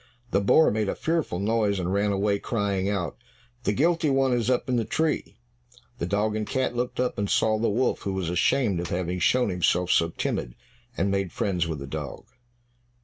The boar made a fearful noise and ran away, crying out, "The guilty one is up in the tree." The dog and cat looked up and saw the wolf, who was ashamed of having shown himself so timid, and made friends with the dog.